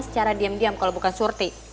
secara diam diam kalau bukan surti